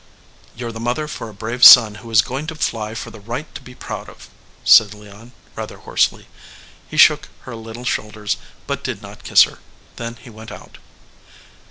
"You re the mother for a brave son who is go ing to fly for the right to be proud of," said Leon, rather hoarsely. He shook her little shoulders, but did not kiss her; then he went out.